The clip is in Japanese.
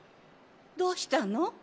どうしたの？